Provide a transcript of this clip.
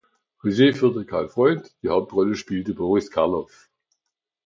Regie führte Karl Freund, die Hauptrolle spielte Boris Karloff.